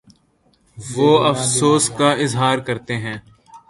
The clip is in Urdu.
وہ افسوس کا اظہارکرتے ہیں